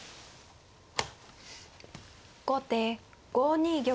後手５二玉。